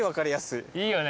いいよね